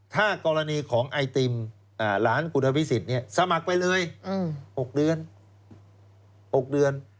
ถ้ากรณีของไอติมหลานกุฎวิสิทธิ์สมัครไปเลย๖เดือน